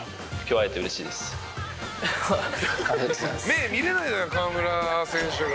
「目見れないじゃない河村選手が」